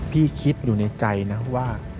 คิดอยู่ในใจนะว่า